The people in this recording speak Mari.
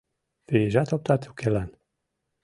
Пийжат оптат укелан